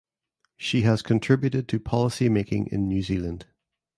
She has contributed to policy making in New Zealand.